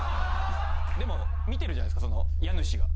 でも見てるじゃないですかその家主が。